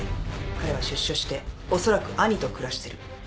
彼は出所しておそらく兄と暮らしてる。